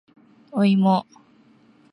おいも